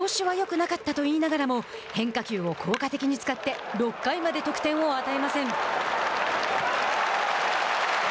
「調子はよくなかった」と言いながらも変化球を効果的に使って６回まで得点を与えません。